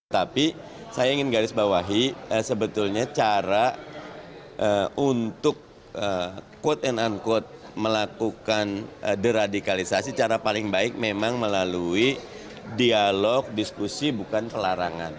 tapi saya ingin garis bawahi sebetulnya cara untuk quote and unquote melakukan deradikalisasi cara paling baik memang melalui dialog diskusi bukan pelarangan